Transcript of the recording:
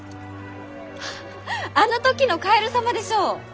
フフフあの時のカエル様でしょう？